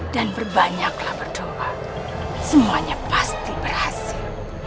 dan berbanyaklah berdoa semuanya pasti berhasil